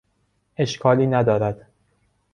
اشکالی ندارد.